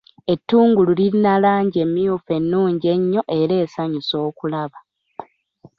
Ettungulu lirina langi emmyufu ennungi ennyo era esanyusa okulaba.